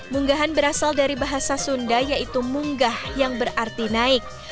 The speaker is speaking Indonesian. munggahan berasal dari bahasa sunda yaitu munggah yang berarti naik